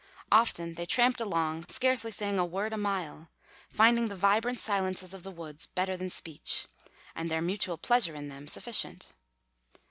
Often they tramped along, scarcely saying a word a mile, finding the vibrant silences of the wood better than speech, and their mutual pleasure in them sufficient.